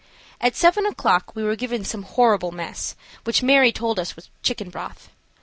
At 7 o'clock we were given some horrible mess, which Mary told us was chicken broth.